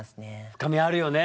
深みあるよね。